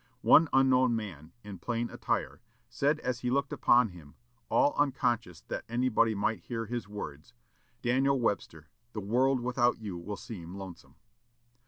One unknown man, in plain attire, said as he looked upon him, all unconscious that anybody might hear his words, "Daniel Webster, the world without you will seem lonesome."